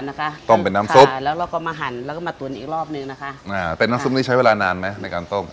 อ่าเป็นน้ำซุปนี้ใช้เวลานานไหมในการต้ม